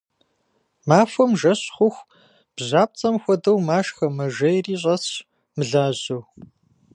Махуэм жэщ хъуху бжьапцӏэм хуэдэу машхэ мэжейри щӏэсщ, мылажьэу.